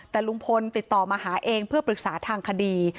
แต่ลุงพลติดต่อมาหาเองเพื่อปรึกษาทางคดี